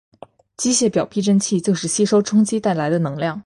机械表避震器就是吸收冲击带来的能量。